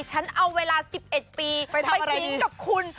ฉันเอาเวลา๑๑ปีไปทิ้งกับคุณ